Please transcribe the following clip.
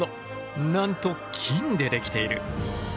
なんと金で出来ている。